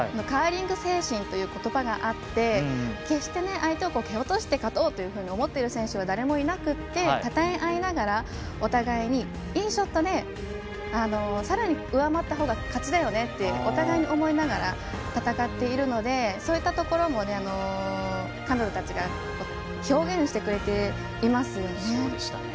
カーリング精神という言葉があって決して相手を蹴落として勝とうと思っている選手は誰もいなくて、たたえ合いながらお互いに、いいショットねさらに上回ったほうが勝ちだよねってお互いに思いながら戦っているのでそういったところも彼女たちが表現してくれていますよね。